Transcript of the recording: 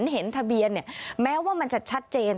เห็นทะเบียนแม้ว่ามันจะชัดเจน